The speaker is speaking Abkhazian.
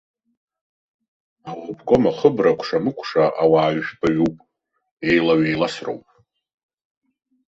Аобком ахыбра акәшамыкәша ауаа жәпаҩуп, еилаҩеиласроуп.